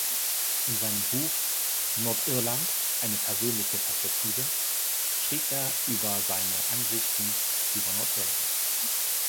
In seinem Buch "Nordirland: eine persönliche Perspektive" schrieb er über seine Ansichten über Nordirland.